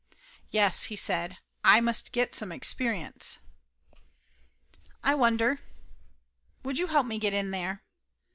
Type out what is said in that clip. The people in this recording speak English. "Yes," he says. "Aye must get some experience." "I wonder would you help me get in there?"